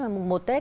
mùng một tết